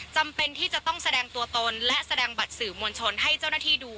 จำเป็นที่จะต้องแสดงตัวตนและแสดงบัตรสื่อมวลชนให้เจ้าหน้าที่ดู